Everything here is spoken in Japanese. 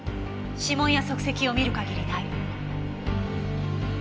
指紋や足跡を見る限りない。